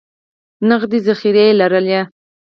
نغدي ذخایر یې لرل.